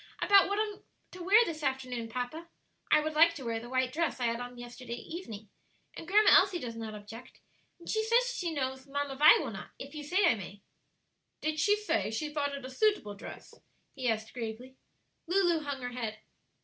"About what I am to wear this afternoon, papa. I would like to wear the white dress I had on yesterday evening, and Grandma Elsie does not object, and says she knows Mamma Vi will not, if you say I may." "Did she say she thought it a suitable dress?" he asked gravely. Lulu hung her head.